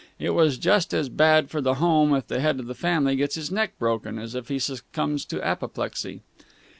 It is just as bad for the home if the head of the family gets his neck broken as if he succumbs to apoplexy.